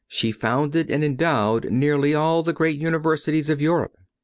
She founded and endowed nearly all the great universities of Europe.